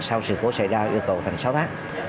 sau sự cố xảy ra yêu cầu thành sáu tháng